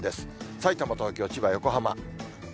さいたま、東京、千葉、横浜。